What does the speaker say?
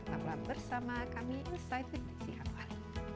tetaplah bersama kami insight with desi anwar